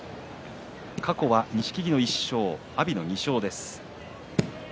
過去は錦木の１勝阿炎の２勝です。